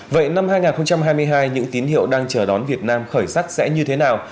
vậy năm hai nghìn hai mươi hai những tín hiệu đang chờ đón việt nam khởi sắc sẽ như thế nào